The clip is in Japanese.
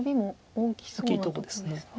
大きいとこです。